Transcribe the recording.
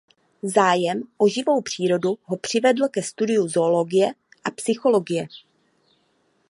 Zájem o živou přírodu ho přivedl ke studiu zoologie a psychologie.